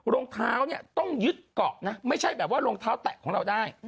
รองเท้าเนี่ยต้องยึดเกาะนะไม่ใช่แบบว่ารองเท้าแตะของเราได้